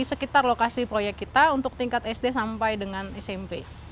sekitar lokasi proyek kita untuk tingkat sd sampai dengan smp